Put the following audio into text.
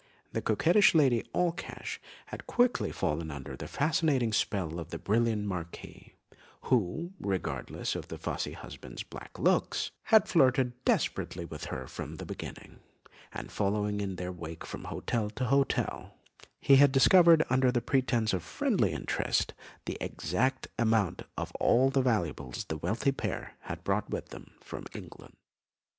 The coquettish Lady Allcash had quickly fallen under the fascinating spell of the brilliant Marquis, who, regardless of the fussy husband's black looks, had flirted desperately with her from the beginning; and, following in their wake from hotel to hotel, he had discovered under the pretence of friendly interest, the exact amount of all the valuables the wealthy pair had brought with them from England.